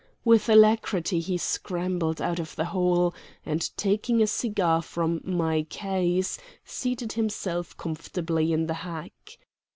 With alacrity he scrambled out of the hole, and, taking a cigar from my case, seated himself comfortably in the hack.